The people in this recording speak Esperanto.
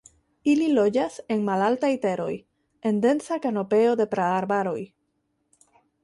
Ili loĝas en malaltaj teroj, en densa kanopeo de praarbaroj.